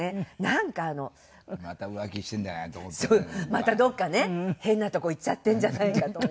またどっかね変なとこ行っちゃってんじゃないかと思って。